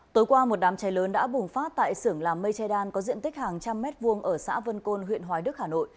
tối qua một đám cháy lớn đã bùng phát tại sưởng làm mây che đan có diện tích hàng trăm mét vuông ở xã vân côn huyện hoài đức hà nội